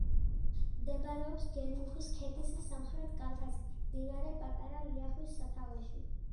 მდებარეობს გერმუხის ქედის სამხრეთ კალთაზე, მდინარე პატარა ლიახვის სათავეებში.